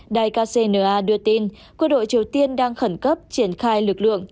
đài kcna đưa tin quân đội triều tiên đang khẩn cấp triển khai lực lượng